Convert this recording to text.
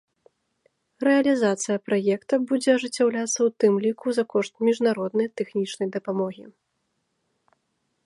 Рэалізацыя праекта будзе ажыццяўляцца ў тым ліку за кошт міжнароднай тэхнічнай дапамогі.